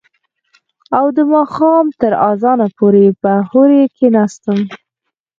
او د ماښام تر اذانه پورې به هورې کښېناستم.